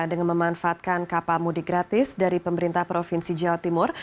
dengan memanfaatkan kapal mudik gratis dari pemerintah provinsi jawa timur